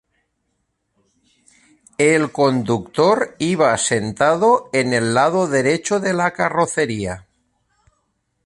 El conductor iba sentado en el lado derecho de la carrocería.